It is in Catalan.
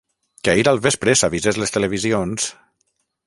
Que ahir al vespre s’avisés les televisions…